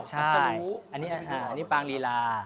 ใช่อันนี่ปลางลีรา